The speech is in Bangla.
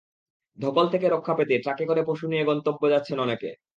ধকল থেকে রক্ষা পেতে ট্রাকে করে পশু নিয়ে গন্তব্যে যাচ্ছেন অনেকে।